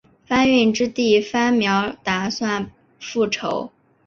番歆之弟番苗打算复仇。